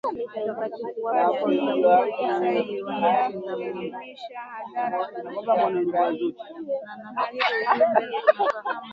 Fasihi hukusudia kuelimisha hadhira kuhusu jamii, mazingira.